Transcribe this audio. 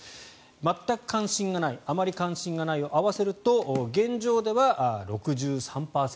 全く関心がないあまり関心がないを合わせると現状では６３％。